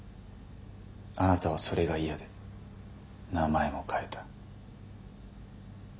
あなたはそれが嫌で名前も変えた。